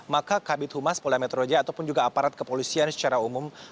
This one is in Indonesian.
maka kabit humas polda metro jaya ataupun juga aparat kepolisian secara umum